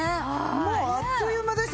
もうあっという間でしたね。